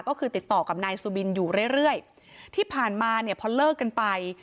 ก็คือติดต่อกับนายสุบินอยู่เรื่อยเรื่อยที่ผ่านมาเนี่ยพอเลิกกันไป